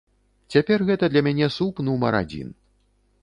Цяпер гэта для мяне суп нумар адзін.